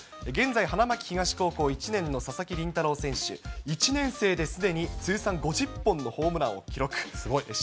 現在、花巻東高校１年の佐々木麟太郎選手、１年生ですでに通算５０本のホームランを記録。